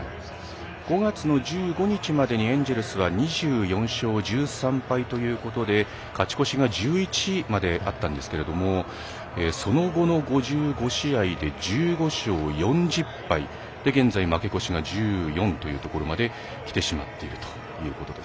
５月の１５日までにエンジェルスは２４勝１３敗ということで勝ち越しが１１まであったんですけどその後の５５試合で１５勝４０敗現在負け越し１４というところまできてしまっていると。